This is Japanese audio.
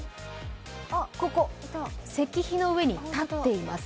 ここ、石碑の上に立っています。